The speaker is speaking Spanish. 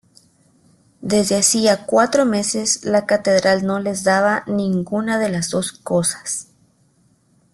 Desde hacía cuatro meses, la catedral no les daba ninguna de las dos cosas.